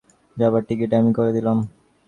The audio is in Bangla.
যাবার টিকিট আমি করে দিলাম।